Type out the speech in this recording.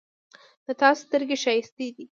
د تا سترګې ښایستې دي